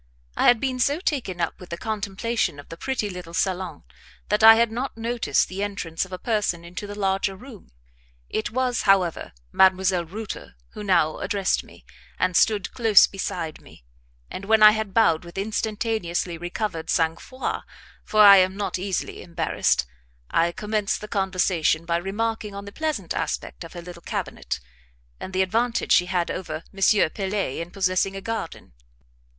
I had been so taken up with the contemplation of the pretty little salon that I had not noticed the entrance of a person into the larger room. It was, however, Mdlle. Reuter who now addressed me, and stood close beside me; and when I had bowed with instantaneously recovered sang froid for I am not easily embarrassed I commenced the conversation by remarking on the pleasant aspect of her little cabinet, and the advantage she had over M. Pelet in possessing a garden.